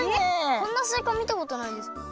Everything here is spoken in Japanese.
こんなすいかみたことないです。